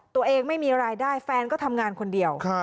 ไม่มีรายได้แฟนก็ทำงานคนเดียว